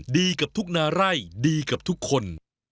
ดีกับทุกนาไร่ดีกับทุกคน